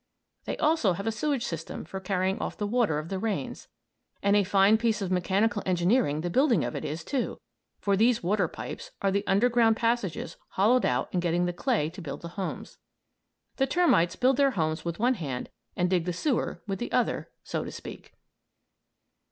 They also have a sewage system for carrying off the water of the rains. And a fine piece of mechanical engineering the building of it is, too; for these "water pipes" are the underground passages hollowed out in getting the clay to build the homes. The termites build their homes with one hand and dig the sewer with the other, so to speak.